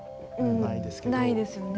ないですよね。